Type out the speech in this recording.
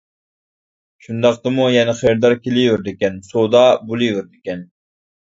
شۇنداقتىمۇ يەنە خېرىدار كېلىۋېرىدىكەن، سودا بولۇۋېرىدىكەن.